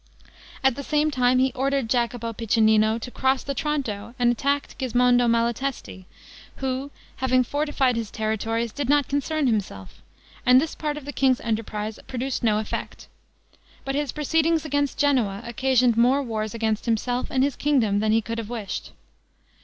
At the same time, he ordered Jacopo Piccinino to cross the Tronto, and attack Gismondo Malatesti, who, having fortified his territories, did not concern himself, and this part of the king's enterprise produced no effect; but his proceedings against Genoa occasioned more wars against himself and his kingdom than he could have wished.